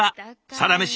「サラメシ」